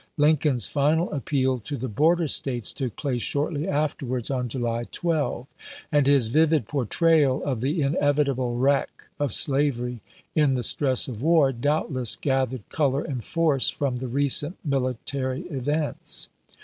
Lincoln's final appeal to the border States took place shortly afterwards, on July 12 ; and his vivid portrayal of the inevitable wreck of slavery in the stress of war doubtless gathered color and force from the recent mili tary events.